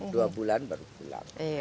dua bulan baru pulang